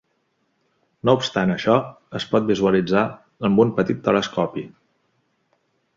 No obstant això, es pot visualitzar amb un petit telescopi.